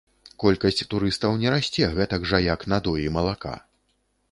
Колькасць турыстаў не расце гэтак жа, як надоі малака.